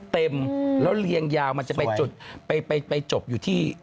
เต็มแล้วเรียงยาวมันจะไปจุดไปจบอยู่ที่